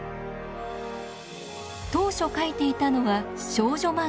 当初描いていたのは少女漫画です。